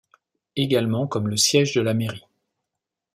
Également comme le siège de la mairie.